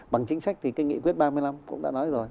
bằng chính sách thì cái nghị quyết ba mươi năm cũng đã nói rồi